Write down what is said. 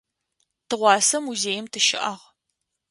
Тыгъуасэ музеим тыщыӏагъ.